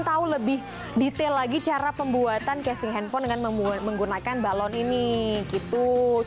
tahu lebih detail lagi cara pembuatan casing handphone dengan menggunakan balon ini gitu